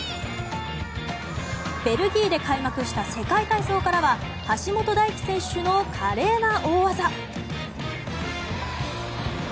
ベルギーで開幕した世界体操からは橋本大輝選手の華麗な大技。